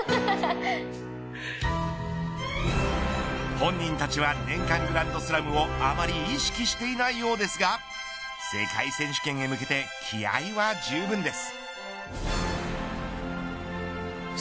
本人たちは年間グランドスラムをあまり意識していないようですが世界選手権へ向けて気合は十分です。